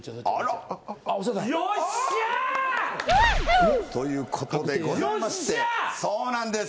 よっしゃ！ということでございましてそうなんです